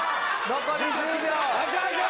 残り１０秒。